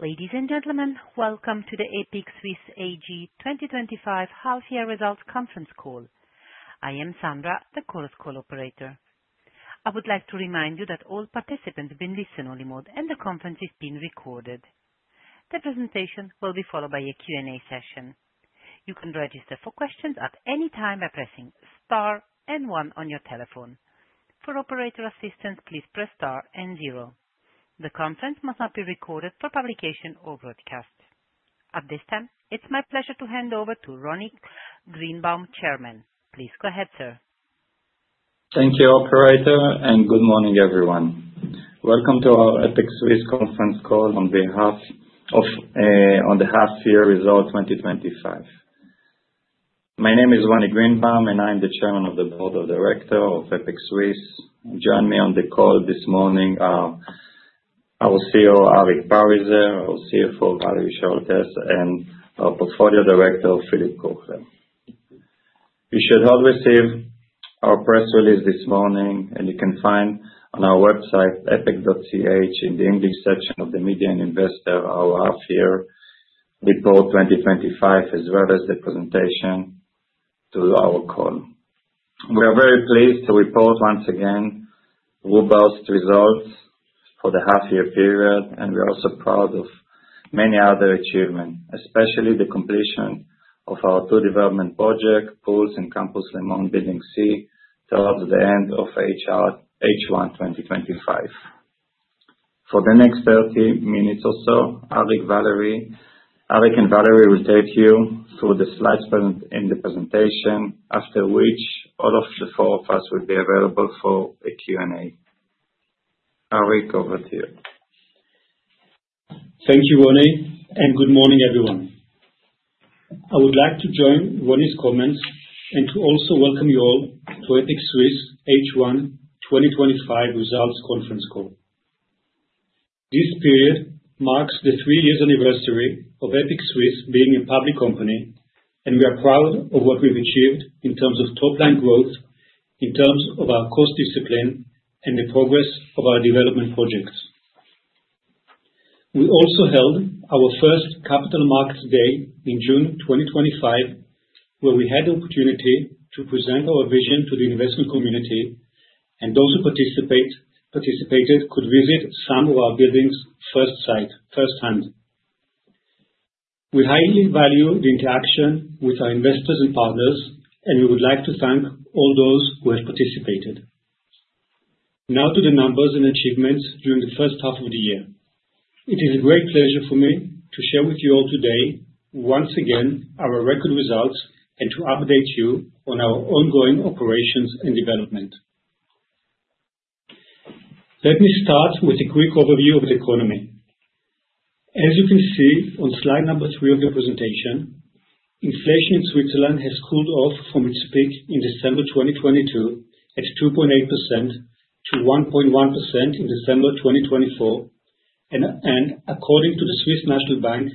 Ladies and gentlemen, welcome to the EPIC Suisse AG 2025 Half-Year Results Conference Call. I am Sandra, the call operator. I would like to remind you that all participants have been placed in listen-only mode and the conference is being recorded. The presentation will be followed by a Q&A session. You can register for questions at any time by pressing * and 1 on your telephone. For operator assistance, please press * and 0. The conference must not be recorded for publication or broadcast. At this time, it's my pleasure to hand over to Roni Greenbaum, Chairman. Please go ahead, sir. Thank you, Operator, and good morning, everyone. Welcome to our EPIC Suisse Conference Call on behalf of the Half-Year Results 2025. My name is Roni Greenbaum, and I'm the Chairman of the Board of Directors of EPIC Suisse. Join me on the call this morning, our CEO, Arik Parizer, our CFO, Valérie Scholtes, and our Portfolio Director, Philippe Kocher. You should all receive our press release this morning, and you can find on our website, epic.ch, in the English section of the Media and Investors, our Half-Year Report 2025 as well as the presentation to our call. We are very pleased to report once again robust results for the half-year period, and we are also proud of many other achievements, especially the completion of our two development projects, PULS and Campus Léman Building C, towards the end of H1 2025. For the next 30 minutes or so, Arik and Valérie will take you through the slides present in the presentation, after which all of the four of us will be available for a Q&A. Arik, over to you. Thank you, Roni, and good morning, everyone. I would like to join Roni's comments and to also welcome you all to EPIC Suisse H1 2025 Results Conference Call. This period marks the three-year anniversary of EPIC Suisse being a public company, and we are proud of what we've achieved in terms of top-line growth, in terms of our cost discipline, and the progress of our development projects. We also held our first Capital Markets Day in June 2025, where we had the opportunity to present our vision to the investment community, and those who participated could visit some of our buildings firsthand. We highly value the interaction with our investors and partners, and we would like to thank all those who have participated. Now to the numbers and achievements during the first half of the year. It is a great pleasure for me to share with you all today, once again, our record results and to update you on our ongoing operations and development. Let me start with a quick overview of the economy. As you can see on slide number three of the presentation, inflation in Switzerland has cooled off from its peak in December 2022 at 2.8% to 1.1% in December 2024, and, and according to the Swiss National Bank,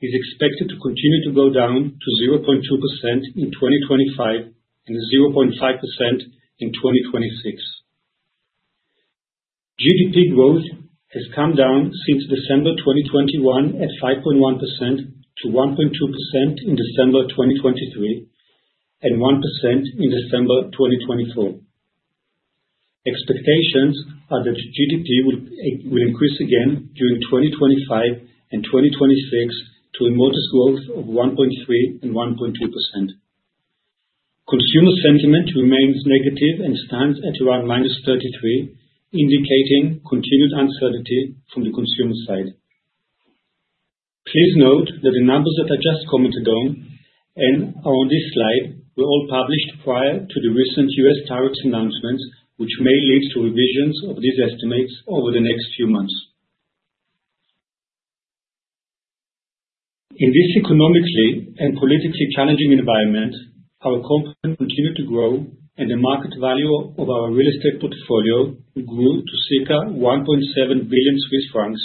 is expected to continue to go down to 0.2% in 2025 and 0.5% in 2026. GDP growth has come down since December 2021 at 5.1% to 1.2% in December 2023 and 1% in December 2024. Expectations are that GDP will, will increase again during 2025 and 2026 to a modest growth of 1.3% and 1.2%. Consumer sentiment remains negative and stands at around -33%, indicating continued uncertainty from the consumer side. Please note that the numbers that I just commented on and are on this slide were all published prior to the recent US tariffs announcements, which may lead to revisions of these estimates over the next few months. In this economically and politically challenging environment, our company continued to grow, and the market value of our real estate portfolio grew to circa 1.7 billion Swiss francs,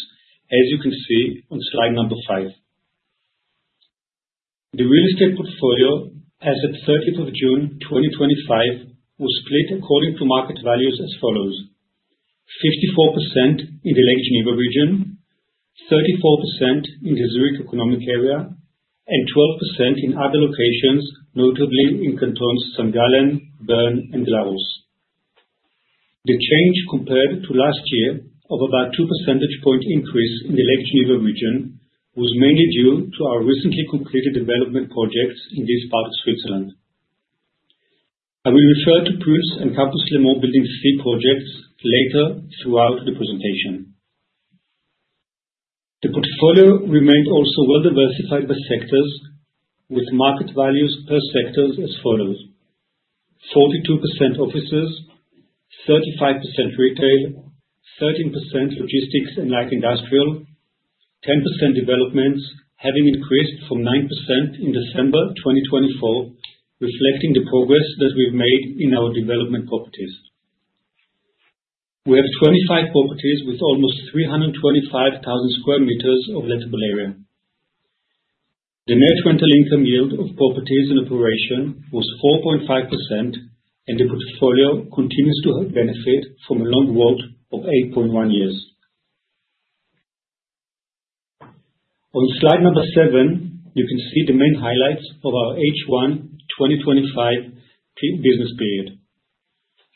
as you can see on slide number 5. The real estate portfolio as of 30th of June 2025 was split according to market values as follows: 54% in the Lake Geneva region, 34% in the Zurich Economic Area, and 12% in other locations, notably in cantons St. Gallen, Bern, and Glarus. The change compared to last year of about 2 percentage point increase in the Lake Geneva region was mainly due to our recently completed development projects in this part of Switzerland. I will refer to PULS and Campus Léman Building C projects later throughout the presentation. The portfolio remained also well diversified by sectors, with market values per sectors as follows: 42% offices, 35% retail, 13% logistics and light industrial, 10% developments, having increased from 9% in December 2024, reflecting the progress that we've made in our development properties. We have 25 properties with almost 325,000 sq m of lettable area. The net rental income yield of properties in operation was 4.5%, and the portfolio continues to benefit from a long WAULT of 8.1 years. On slide number 7, you can see the main highlights of our H1 2025 pre-business period.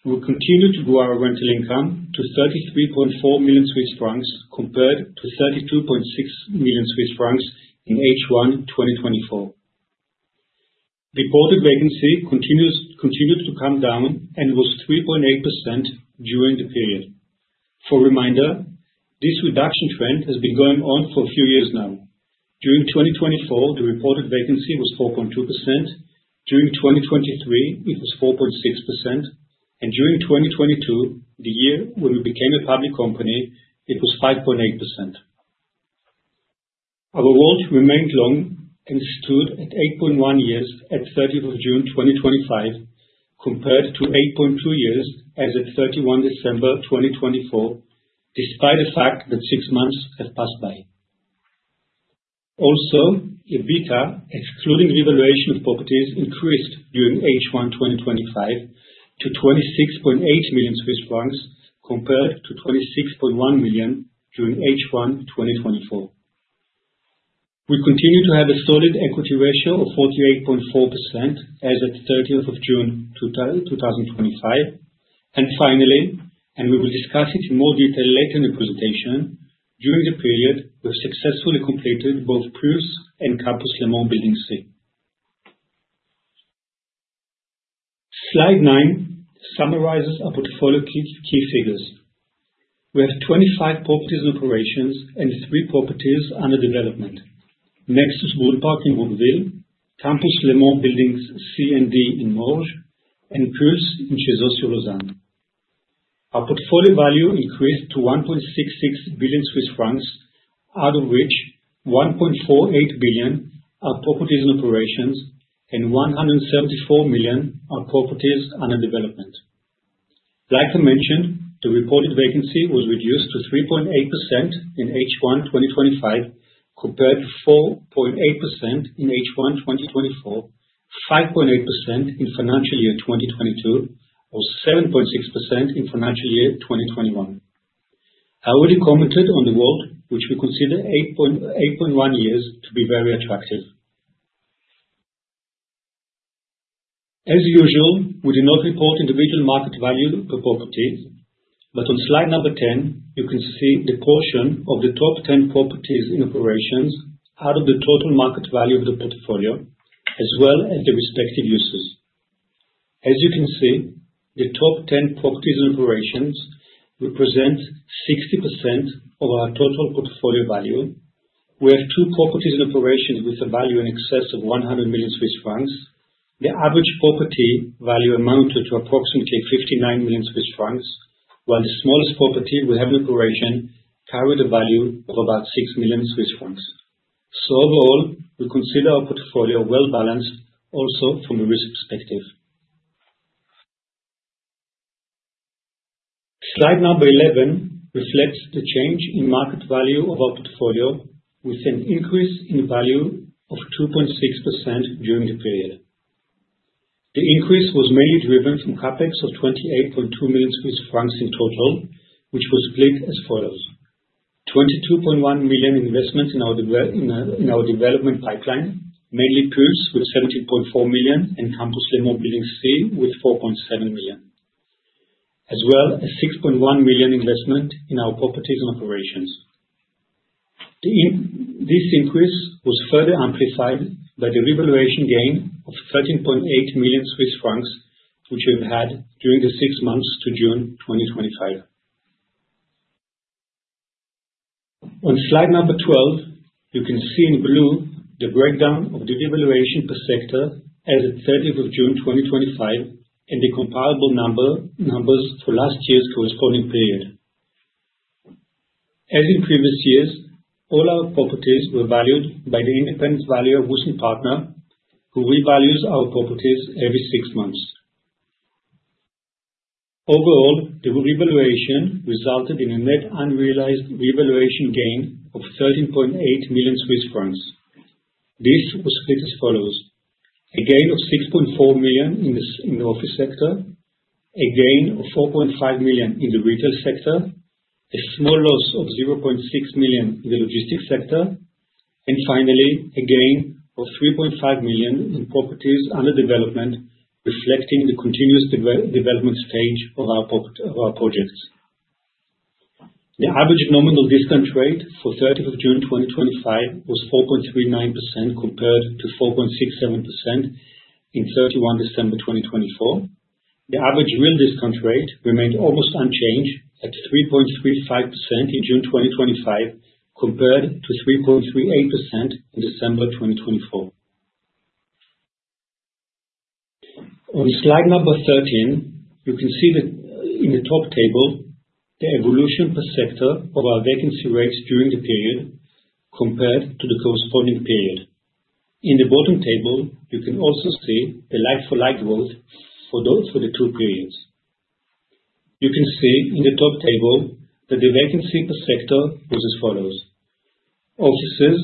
We continued to grow our rental income to 33.4 million Swiss francs compared to 32.6 million Swiss francs in H1 2024. Reported vacancy continued to come down and was 3.8% during the period. For reminder, this reduction trend has been going on for a few years now. During 2024, the reported vacancy was 4.2%. During 2023, it was 4.6%. During 2022, the year when we became a public company, it was 5.8%. Our WAULT remained long and stood at 8.1 years at 30th of June 2025 compared to 8.2 years as of 31 December 2024, despite the fact that six months have passed by. Also, EBITDA, excluding revaluation of properties, increased during H1 2025 to 26.8 million Swiss francs compared to 26.1 million during H1 2024. We continue to have a solid equity ratio of 48.4% as of 30th of June 2025. Finally, and we will discuss it in more detail later in the presentation, during the period we have successfully completed both PULS and Campus Léman Building C. Slide nine summarizes our portfolio key figures. We have 25 properties in operations and 3 properties under development: Nexus Brunnpark in Roggwil, Campus Léman Buildings C and D in Morges, and PULS in Cheseaux-sur-Lausanne. Our portfolio value increased to 1.66 billion Swiss francs, out of which 1.48 billion are properties in operations and 174 million are properties under development. Like I mentioned, the reported vacancy was reduced to 3.8% in H1 2025 compared to 4.8% in H1 2024, 5.8% in financial year 2022, or 7.6% in financial year 2021. I already commented on the WAULT, which we consider 8.81 years to be very attractive. As usual, we do not report individual market value per property, but on slide number 10, you can see the portion of the top 10 properties in operations out of the total market value of the portfolio, as well as the respective uses. As you can see, the top 10 properties in operations represent 60% of our total portfolio value. We have 2 properties in operations with a value in excess of 100 million Swiss francs. The average property value amounted to approximately 59 million Swiss francs, while the smallest property we have in operation carried a value of about 6 million Swiss francs. So overall, we consider our portfolio well balanced also from a risk perspective. Slide number 11 reflects the change in market value of our portfolio with an increase in value of 2.6% during the period. The increase was mainly driven from Capex of 28.2 million Swiss francs in total, which was split as follows: 22.1 million investment in our development pipeline, mainly PULS with 17.4 million and Campus Léman Buildings C with 4.7 million, as well as 6.1 million investment in our properties in operations. This increase was further amplified by the revaluation gain of 13.8 million Swiss francs, which we've had during the six months to June 2025. On slide 12, you can see in blue the breakdown of the revaluation per sector as of 30th of June 2025 and the comparable numbers for last year's corresponding period. As in previous years, all our properties were valued by the independent valuer Wüest Partner, who revalues our properties every six months. Overall, the revaluation resulted in a net unrealized revaluation gain of 13.8 million Swiss francs. This was split as follows: a gain of 6.4 million in the office sector, a gain of 4.5 million in the retail sector, a small loss of 0.6 million in the logistics sector, and finally, a gain of 3.5 million in properties under development, reflecting the continuous development stage of our projects. The average nominal discount rate for 30th of June 2025 was 4.39% compared to 4.67% in 31 December 2024. The average real discount rate remained almost unchanged at 3.35% in June 2025 compared to 3.38% in December 2024. On slide number 13, you can see in the top table the evolution per sector of our vacancy rates during the period compared to the corresponding period. In the bottom table, you can also see the like-for-like growth for the two periods. You can see in the top table that the vacancy per sector was as follows: offices,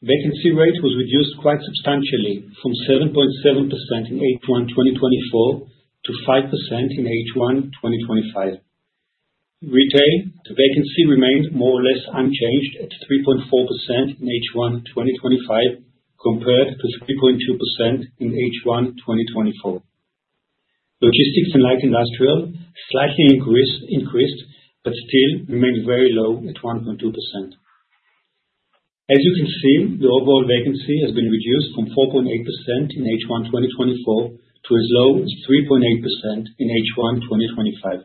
vacancy rate was reduced quite substantially from 7.7% in H1 2024 to 5% in H1 2025. Retail, the vacancy remained more or less unchanged at 3.4% in H1 2025 compared to 3.2% in H1 2024. Logistics and light industrial slightly increased, but still remained very low at 1.2%. As you can see, the overall vacancy has been reduced from 4.8% in H1 2024 to as low as 3.8% in H1 2025.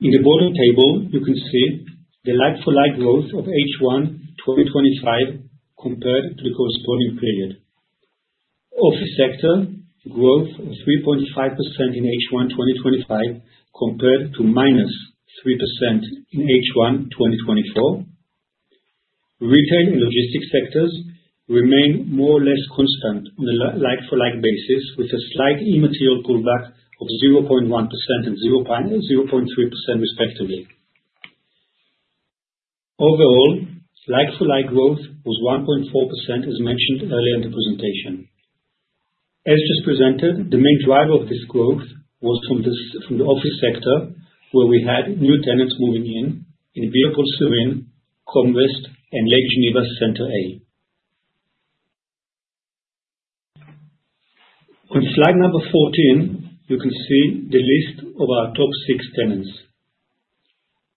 In the bottom table, you can see the like-for-like growth of H1 2025 compared to the corresponding period. Office sector growth of 3.5% in H1 2025 compared to -3% in H1 2024. Retail and logistics sectors remain more or less constant on a like-for-like basis, with a slight immaterial pullback of 0.1% and 0.03% respectively. Overall, like-for-like growth was 1.4%, as mentioned earlier in the presentation. As just presented, the main driver of this growth was from the office sector, where we had new tenants moving in in Biopôle Serine, Combettes, and Lake Geneva Centre A. On slide number 14, you can see the list of our top six tenants.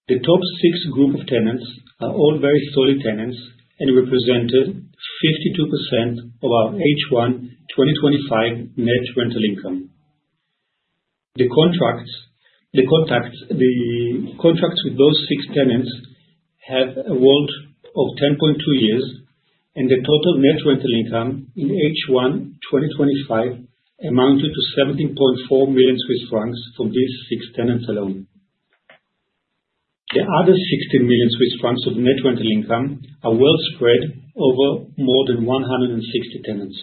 The top six group of tenants are all very solid tenants and represented 52% of our H1 2025 net rental income. The contracts with those six tenants have a WAULT of 10.2 years, and the total net rental income in H1 2025 amounted to 17.4 million Swiss francs from these six tenants alone. The other 16 million Swiss francs of net rental income are well spread over more than 160 tenants.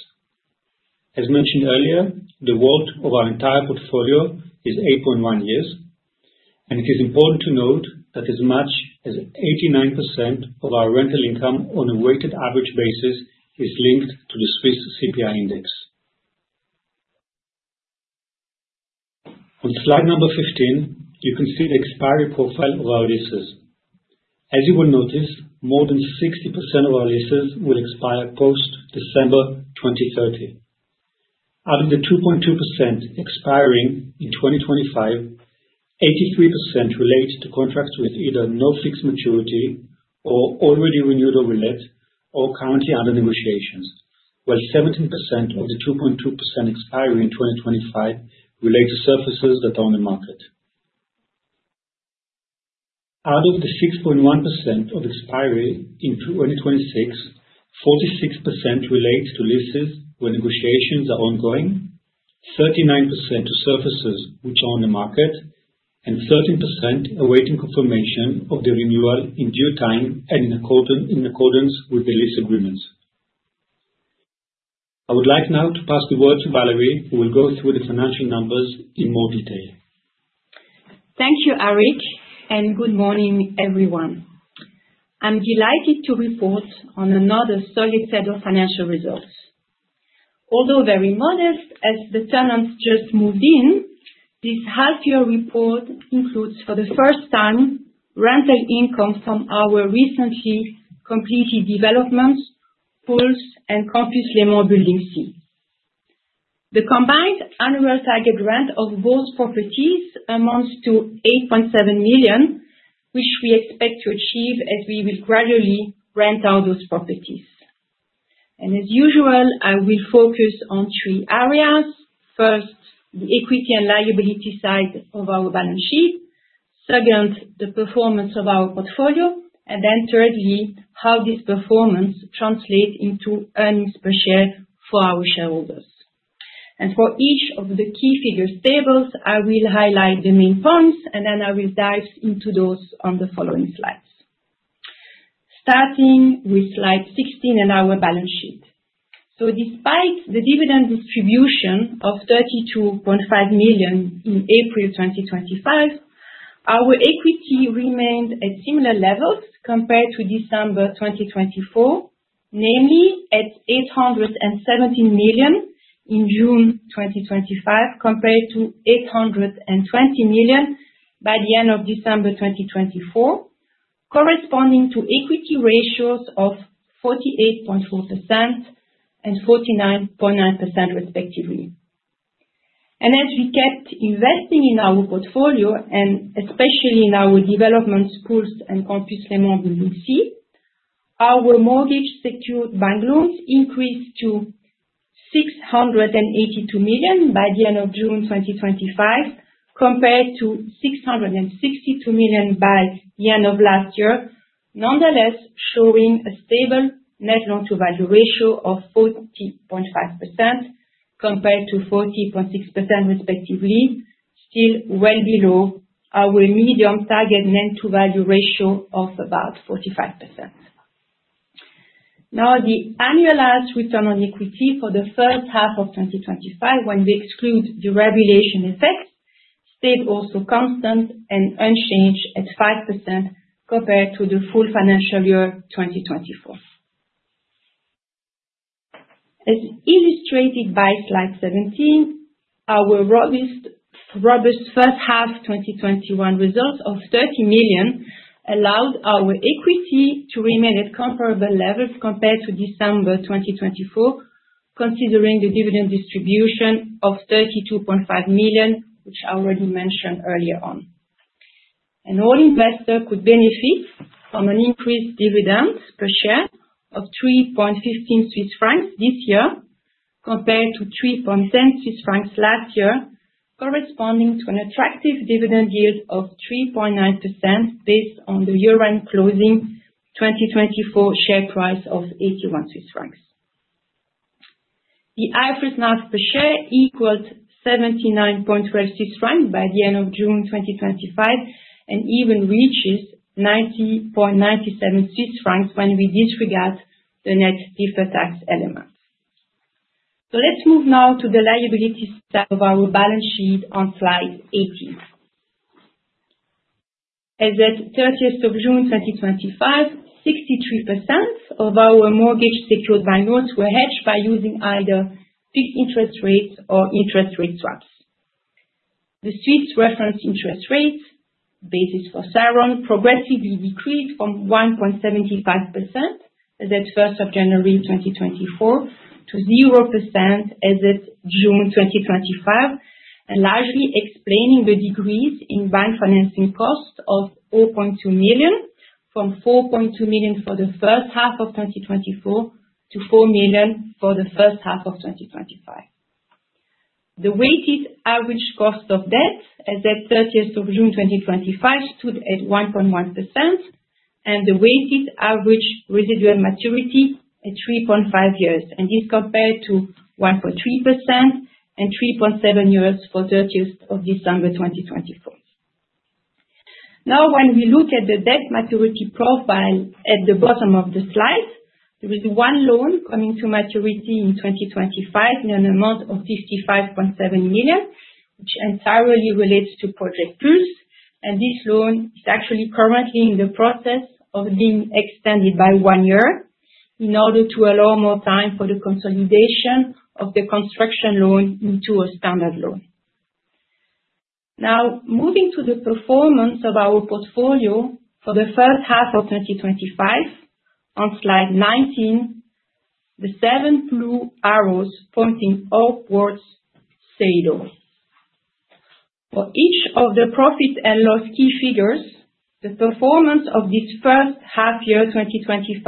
As mentioned earlier, the WAULT of our entire portfolio is 8.1 years, and it is important to note that as much as 89% of our rental income on a weighted average basis is linked to the Swiss CPI index. On slide number 15, you can see the expiry profile of our leases. As you will notice, more than 60% of our leases will expire post December 2030. Out of the 2.2% expiring in 2025, 83% relate to contracts with either no fixed maturity or already renewed or relet or currently under negotiations, while 17% of the 2.2% expiring in 2025 relate to services that are on the market. Out of the 6.1% of expiry in 2026, 46% relate to leases where negotiations are ongoing, 39% to services which are on the market, and 13% awaiting confirmation of the renewal in due time and in accordance with the lease agreements. I would like now to pass the word to Valérie, who will go through the financial numbers in more detail. Thank you, Arik, and good morning, everyone. I'm delighted to report on another solid set of financial results. Although very modest, as the tenants just moved in, this half-year report includes, for the first time, rental income from our recently completed developments, PULS and Campus Léman Buildings C. The combined annual target rent of both properties amounts to 8.7 million, which we expect to achieve as we will gradually rent out those properties. As usual, I will focus on three areas: first, the equity and liability side of our balance sheet; second, the performance of our portfolio; and then thirdly, how this performance translates into earnings per share for our shareholders. For each of the key figures tables, I will highlight the main points, and then I will dive into those on the following slides. Starting with slide 16 and our balance sheet. Despite the dividend distribution of 32.5 million in April 2025, our equity remained at similar levels compared to December 2024, namely at 817 million in June 2025 compared to 820 million by the end of December 2024, corresponding to equity ratios of 48.4% and 49.9% respectively. As we kept investing in our portfolio, and especially in our developments, PULS and Campus Léman Buildings C, our mortgage-secured bank loans increased to 682 million by the end of June 2025 compared to 662 million by the end of last year, nonetheless showing a stable net loan-to-value ratio of 40.5% compared to 40.6% respectively, still well below our medium target net-to-value ratio of about 45%. Now, the annualized return on equity for the first half of 2025, when we exclude deregulation effects, stayed also constant and unchanged at 5% compared to the full financial year 2024. As illustrated by slide 17, our robust first half 2021 results of 30 million allowed our equity to remain at comparable levels compared to December 2024, considering the dividend distribution of 32.5 million, which I already mentioned earlier on. An all-investor could benefit from an increased dividend per share of 3.15 Swiss francs this year compared to 3.10 Swiss francs last year, corresponding to an attractive dividend yield of 3.9% based on the year-end closing 2024 share price of 81 Swiss francs. The average loss per share equaled 79.12 Swiss francs by the end of June 2025 and even reaches 90.97 Swiss francs when we disregard the net deferred tax element. So let's move now to the liability side of our balance sheet on slide 18. As at 30th of June 2025, 63% of our mortgage-secured bank loans were hedged by using either fixed interest rates or interest rate swaps. The Swiss reference interest rate, basis for SARON, progressively decreased from 1.75% as at first of January 2024 to 0% as at June 2025, largely explaining the decrease in bank financing costs of 0.2 million from 4.2 million for the first half of 2024 to 4 million for the first half of 2025. The weighted average cost of debt as at 30th of June 2025 stood at 1.1% and the weighted average residual maturity at 3.5 years, and this compared to 1.3% and 3.7 years for 30th of December 2024. Now, when we look at the debt maturity profile at the bottom of the slide, there is one loan coming to maturity in 2025 in an amount of 55.7 million, which entirely relates to PULS, and this loan is actually currently in the process of being extended by one year in order to allow more time for the consolidation of the construction loan into a standard loan. Now, moving to the performance of our portfolio for the first half of 2025, on slide 19, the seven blue arrows pointing upwards say no. For each of the profit and loss key figures, the performance of this first half year 2025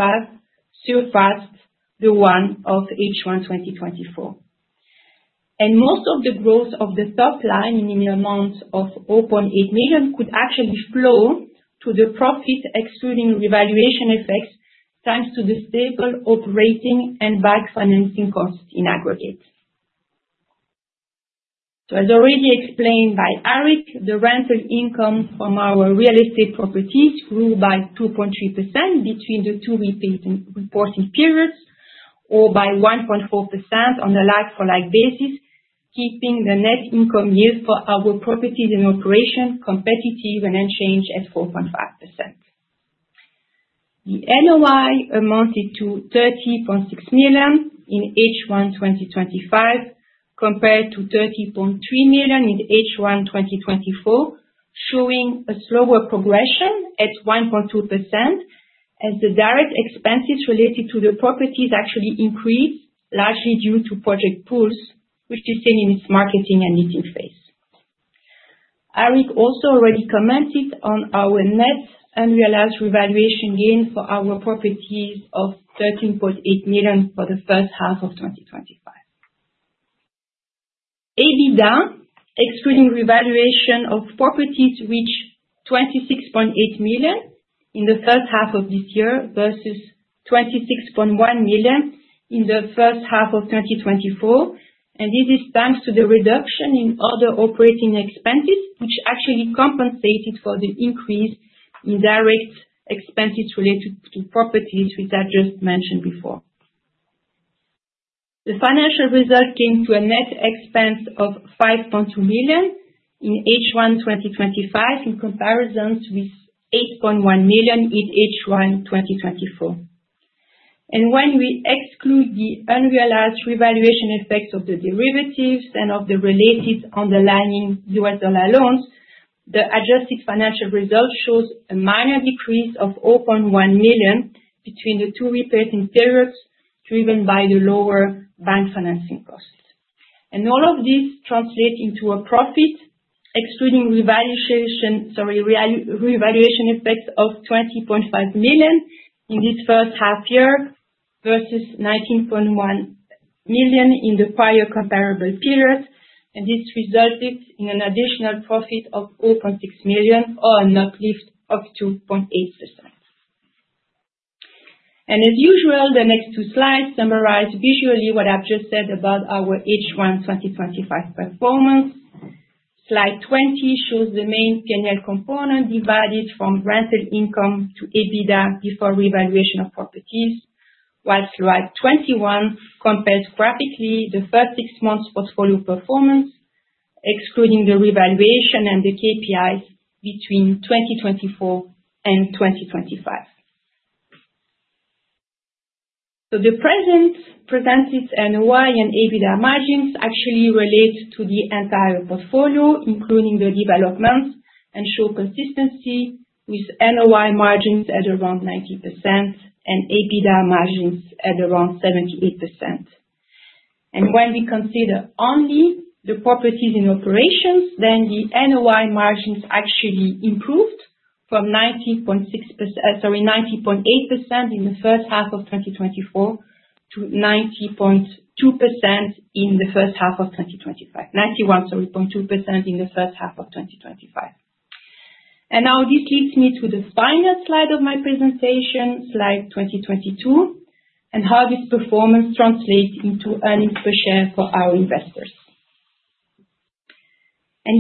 surpassed the one of H1 2024. Most of the growth of the top line in the amount of 0.8 million could actually flow to the profit excluding revaluation effects thanks to the stable operating and bank financing costs in aggregate. So as already explained by Arik, the rental income from our real estate properties grew by 2.3% between the two prior and reporting periods or by 1.4% on a like-for-like basis, keeping the net income yield for our properties in operation competitive and unchanged at 4.5%. The NOI amounted to 30.6 million in H1 2025 compared to 30.3 million in H1 2024, showing a slower progression at 1.2% as the direct expenses related to the properties actually increased, largely due to PULS, which is still in its marketing and leasing phase. Arik also already commented on our net annualized revaluation gain for our properties of 13.8 million for the first half of 2025. EBITDA, excluding revaluation of properties, reached 26.8 million in the first half of this year versus 26.1 million in the first half of 2024, and this is thanks to the reduction in other operating expenses, which actually compensated for the increase in direct expenses related to properties which I just mentioned before. The financial result came to a net expense of 5.2 million in H1 2025 in comparison with 8.1 million in H1 2024. When we exclude the unrealized revaluation effects of the derivatives and of the related underlying US dollar loans, the adjusted financial result shows a minor decrease of 0.1 million between the two repaid periods driven by the lower bank financing costs. All of this translates into a profit excluding revaluation—sorry, revaluation—effects of 20.5 million in this first half year versus 19.1 million in the prior comparable period, and this resulted in an additional profit of 0.6 million or a net lift of 2.8%. As usual, the next two slides summarize visually what I've just said about our H1 2025 performance. Slide 20 shows the main P&L components derived from rental income to EBITDA before revaluation of properties, while slide 21 compares graphically the first six months' portfolio performance, excluding the revaluation and the KPIs, between 2024 and 2025. The presented NOI and EBITDA margins actually relate to the entire portfolio, including the developments, and show consistency with NOI margins at around 90% and EBITDA margins at around 78%. When we consider only the properties in operations, then the NOI margins actually improved from 90.6%, sorry, 90.8% in the first half of 2024 to 90.2% in the first half of 2025, 91 sorry, 0.2% in the first half of 2025. Now this leads me to the final slide of my presentation, slide 22, and how this performance translates into earnings per share for our investors.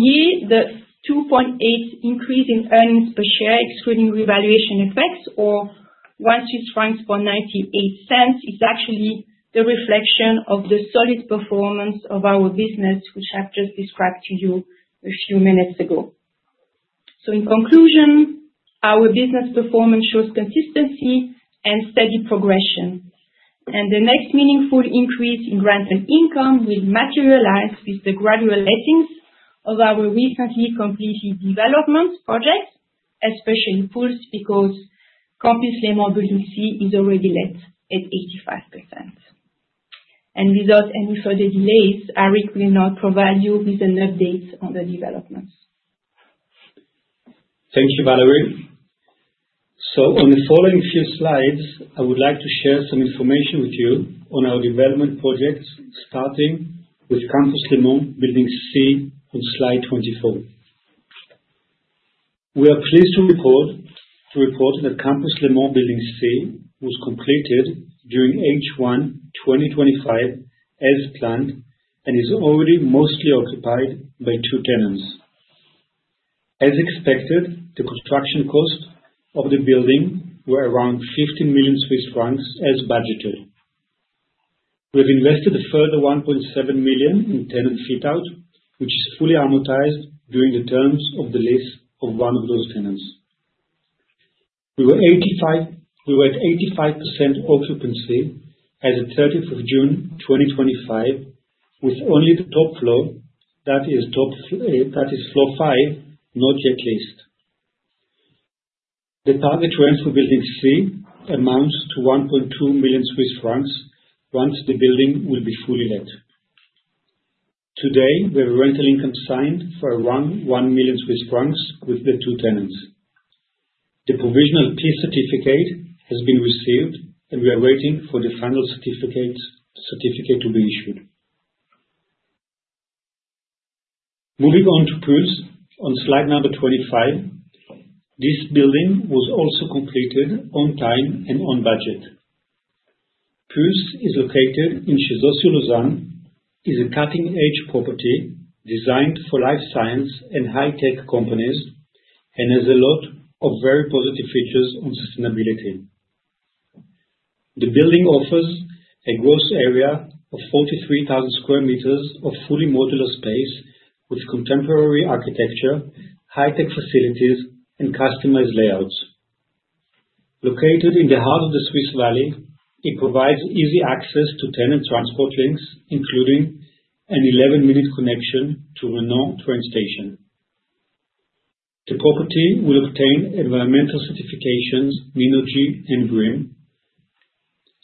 Here, the 2.8 increase in earnings per share excluding revaluation effects or 1.98 Swiss francs is actually the reflection of the solid performance of our business, which I've just described to you a few minutes ago. So in conclusion, our business performance shows consistency and steady progression, and the next meaningful increase in rental income will materialize with the gradual lettings of our recently completed development projects, especially PULS, because Campus Léman Buildings C is already let at 85%. Without any further delays, Arik will now provide you with an update on the developments. Thank you, Valérie. On the following few slides, I would like to share some information with you on our development projects, starting with Campus Léman Buildings C on slide 24. We are pleased to report that Campus Léman Buildings C was completed during H1 2025 as planned and is already mostly occupied by two tenants. As expected, the construction costs of the building were around 15 million Swiss francs as budgeted. We have invested a further 1.7 million in tenant fit-out, which is fully amortized during the terms of the lease of one of those tenants. We were at 85% occupancy as of 30th of June 2025, with only the top floor, that is, floor five not yet leased. The target rent for Buildings C amounts to 1.2 million Swiss francs once the building will be fully let. Today, we have rental income signed for around 1 million Swiss francs with the two tenants. The provisional occupancy certificate has been received, and we are waiting for the final certificate to be issued. Moving on to PULS, on slide number 25, this building was also completed on time and on budget. PULS is located in Cheseaux-sur-Lausanne, is a cutting-edge property designed for life science and high-tech companies, and has a lot of very positive features on sustainability. The building offers a gross area of 43,000 square meters of fully modular space with contemporary architecture, high-tech facilities, and customized layouts. Located in the heart of the Swiss Valley, it provides easy access to tenant transport links, including an 11-minute connection to Renens train station. The property will obtain environmental certifications Minergie and GREEN,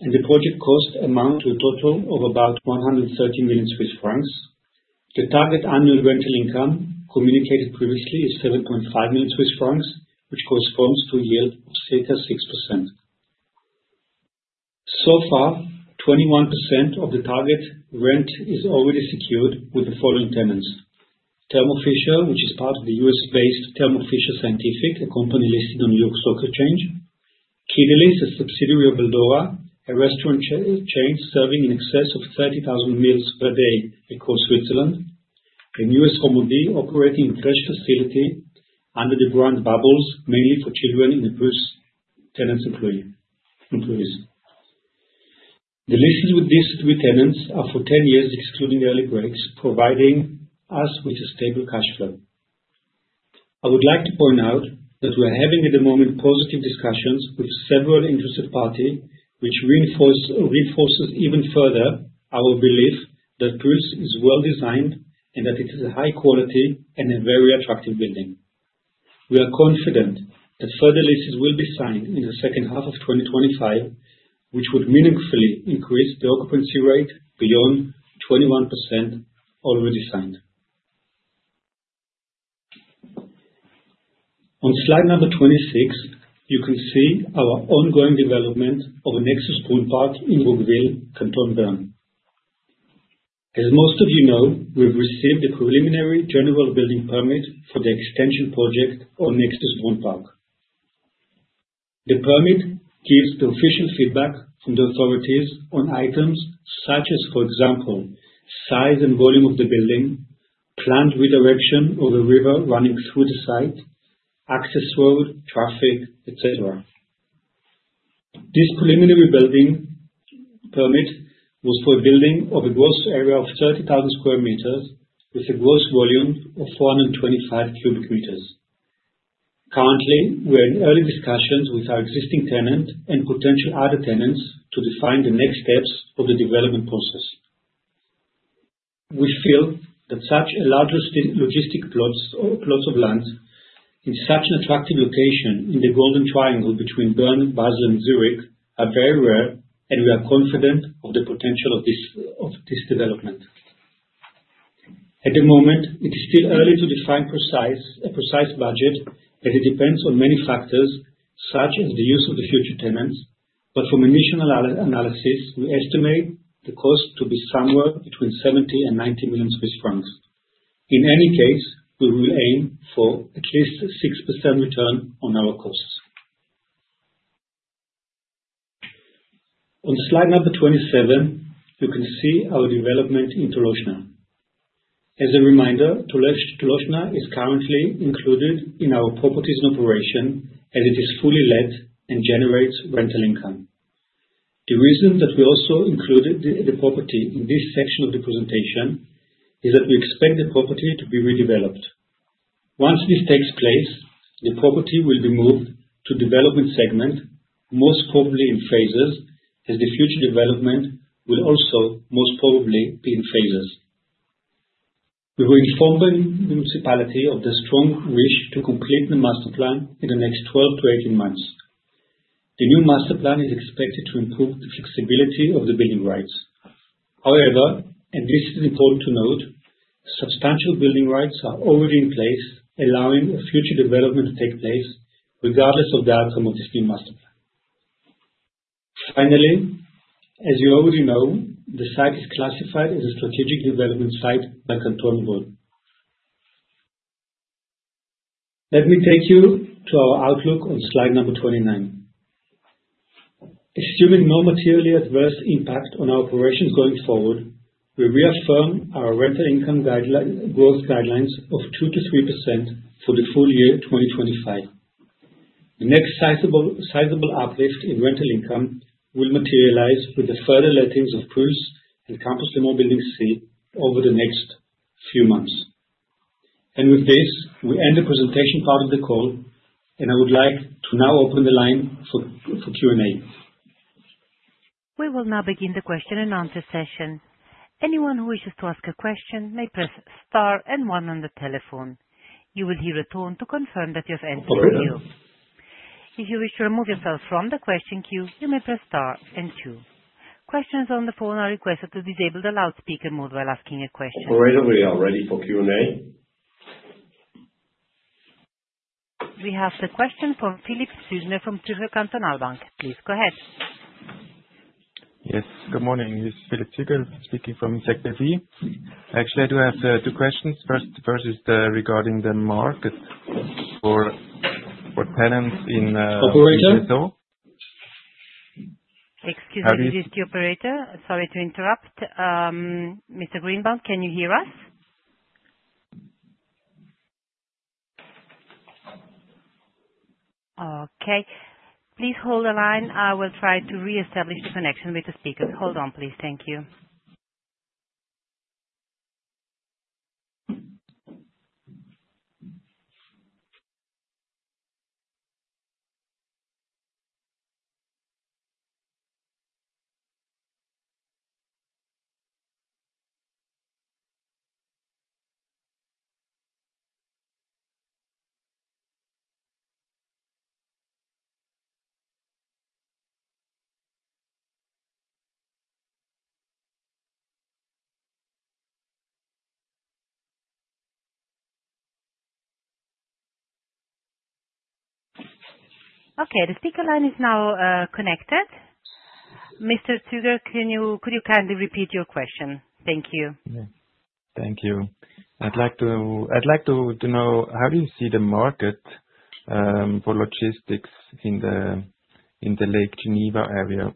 and the project cost amount to a total of about 130 million Swiss francs. The target annual rental income communicated previously is 7.5 million Swiss francs, which corresponds to a yield of circa 6%. So far, 21% of the target rent is already secured with the following tenants: Thermo Fisher, which is part of the U.S.-based Thermo Fisher Scientific, a company listed on the New York Stock Exchange; Eldora, a catering company serving in excess of 30,000 meals per day across Switzerland; and Babilou, operating a nursery facility under the brand Bubbles, mainly for children of the PULS tenants' employees. The leases with these 3 tenants are for 10 years, excluding early breaks, providing us with a stable cash flow. I would like to point out that we are having at the moment positive discussions with several interested parties, which reinforces even further our belief that PULS is well-designed and that it is a high-quality and a very attractive building. We are confident that further leases will be signed in the second half of 2025, which would meaningfully increase the occupancy rate beyond 21% already signed. On slide number 26, you can see our ongoing development of Nexus Brunnpark in Roggwil, Canton of Bern. As most of you know, we've received the preliminary general building permit for the extension project on Nexus Brunnpark. The permit gives the official feedback from the authorities on items such as, for example, size and volume of the building, planned redirection of a river running through the site, access road, traffic, etc. This preliminary building permit was for a building of a gross area of 30,000 square meters with a gross volume of 425 cubic meters. Currently, we are in early discussions with our existing tenant and potential other tenants to define the next steps of the development process. We feel that such a large logistic plots of plots of land in such an attractive location in the Golden Triangle between Bern, Basel, and Zurich are very rare, and we are confident of the potential of this of this development. At the moment, it is still early to define precise a precise budget, as it depends on many factors such as the use of the future tenants, but from initial analysis, we estimate the cost to be somewhere between 70 million and 90 million Swiss francs. In any case, we will aim for at least 6% return on our costs. On slide number 27, you can see our development in Tolochenaz. As a reminder, Tolochenaz is currently included in our properties in operation, as it is fully let and generates rental income. The reason that we also included the property in this section of the presentation is that we expect the property to be redeveloped. Once this takes place, the property will be moved to development segment, most probably in phases, as the future development will also most probably be in phases. We were informed by the municipality of the strong wish to complete the master plan in the next 12-18 months. The new master plan is expected to improve the flexibility of the building rights. However and this is important to note, substantial building rights are already in place, allowing a future development to take place regardless of the outcome of this new master plan. Finally, as you already know, the site is classified as a strategic development site by Canton Vaud. Let me take you to our outlook on slide number 29. Assuming no materially adverse impact on our operations going forward, we reaffirm our rental income guideline growth guidelines of 2%-3% for the full year 2025. The next sizable uplift in rental income will materialize with the further lettings of PULS and Campus Léman Building C over the next few months. With this, we end the presentation part of the call, and I would like to now open the line for Q&A. We will now begin the question and answer session. Anyone who wishes to ask a question may press star and one on the telephone. You will hear a tone to confirm that you have entered the queue. If you wish to remove yourself from the question queue, you may press star and two. Questions on the phone are requested to disable the loudspeaker mode while asking a question. Already we are ready for Q&A. We have the question from Philipp Züger from Zürcher Kantonalbank. Please go ahead. Yes. Good morning. This is Philipp Züger speaking from ZKB. Actually, I do have two questions. First the first is regarding the market for tenants in. Operator? Excuse me. How does this do? The operator. Sorry to interrupt. Mr. Greenbaum, can you hear us? Okay. Please hold the line. I will try to reestablish the connection with the speakers. Hold on, please. Thank you. Okay. The speaker line is now connected. Mr. Züger, could you kindly repeat your question? Thank you. Yeah. Thank you. I'd like to know how do you see the market for logistics in the Lake Geneva area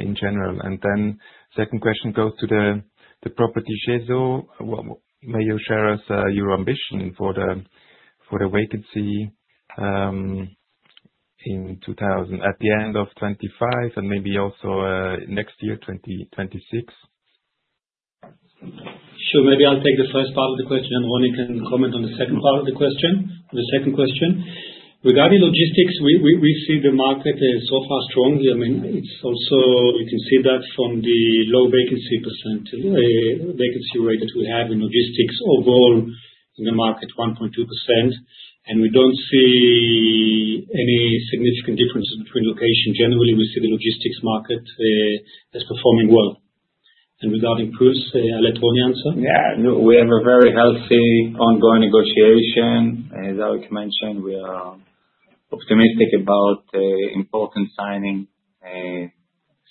in general. And then second question goes to the property Cheseaux. Well, may you share us your ambition for the vacancy in 2025 at the end of 2025 and maybe also next year, 2026? Sure. Maybe I'll take the first part of the question, and Roni can comment on the second part of the question, the second question. Regarding logistics, we see the market so far strongly. I mean, it's also you can see that from the low vacancy percentile, vacancy rate that we have in logistics overall in the market, 1.2%. And we don't see any significant differences between location. Generally, we see the logistics market as performing well. And regarding PULS, I'll let Roni answer. Yeah. No. We have a very healthy ongoing negotiation. As Arik mentioned, we are optimistic about important signing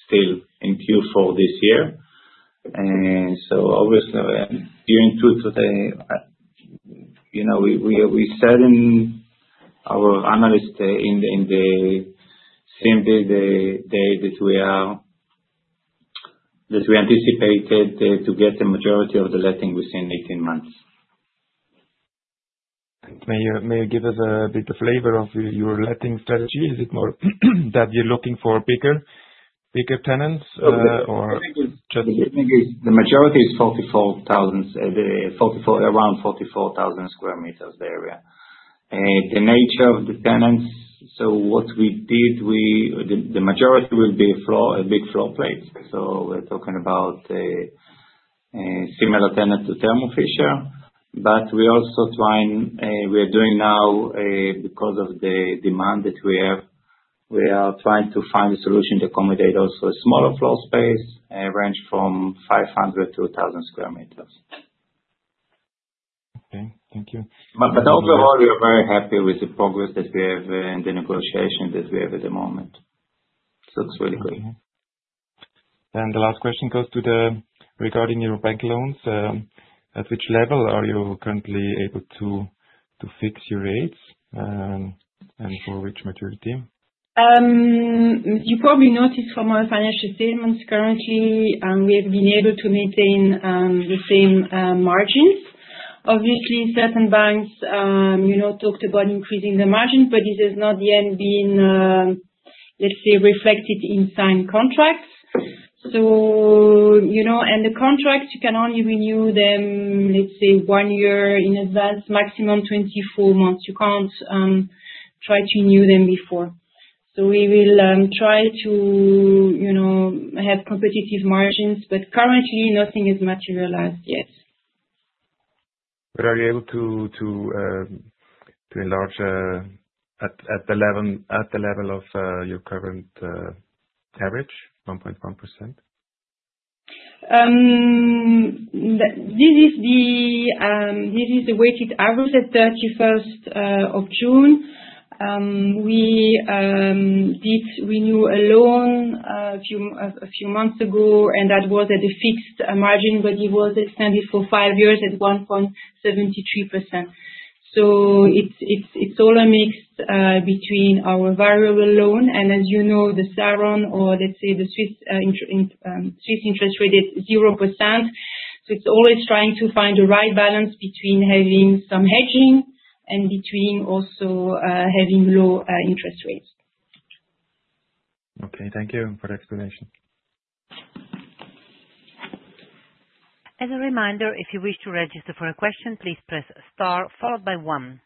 still in queue for this year. And so obviously, during two today, you know, we said in our analyst, in the CMB, the day that we anticipated to get the majority of the letting within 18 months. May you give us a bit of flavor of your letting strategy? Is it more that you're looking for bigger tenants, or? Okay. Let me just the majority is 44,000, the 44,000 around 44,000 square meters the area. The nature of the tenants so what we did, we the majority will be a floor a big floor plate. So we're talking about, similar tenant to Thermo Fisher. But we also trying we are doing now, because of the demand that we have, we are trying to find a solution to accommodate also a smaller floor space, range from 500 to 1,000 square meters. Okay. Thank you. But overall, we are very happy with the progress that we have, in the negotiation that we have at the moment. It looks really good. And the last question goes to the regarding your bank loans. At which level are you currently able to fix your rates, and for which maturity? You probably noticed from our financial statements currently, we have been able to maintain, the same, margins. Obviously, certain banks, you know, talked about increasing the margins, but this has not yet been, let's say, reflected in signed contracts. So, you know, and the contracts, you can only renew them, let's say, one year in advance, maximum 24 months. You can't try to renew them before. So we will try to, you know, have competitive margins, but currently, nothing is materialized yet. But are you able to enlarge at the level of your current average 1.1%? This is the weighted average at 30th of June. We did renew a loan a few months ago, and that was at a fixed margin, but it was extended for 5 years at 1.73%. So it's all a mix between our variable loan and, as you know, the SARON or, let's say, the Swiss interbank interest rate at 0%. So it's always trying to find the right balance between having some hedging and between also having low interest rates. Okay. Thank you for the explanation. As a reminder, if you wish to register for a question, please press star followed by one.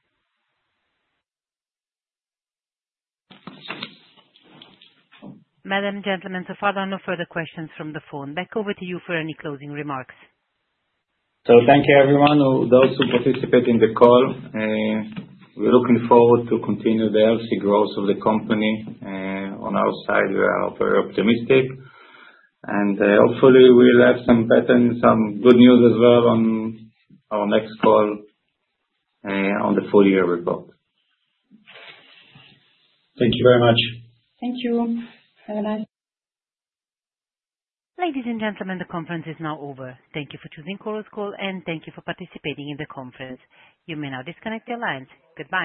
Madam and gentlemen, so far there are no further questions from the phone. Back over to you for any closing remarks. So thank you, everyone, who those who participate in the call. We're looking forward to continue the healthy growth of the company. On our side, we are very optimistic. And hopefully, we'll have some better some good news as well on our next call, on the full year report. Thank you very much. Thank you. Have a nice. Ladies and gentlemen, the conference is now over. Thank you for choosing Chorus Call, and thank you for participating in the conference. You may now disconnect your lines. Goodbye.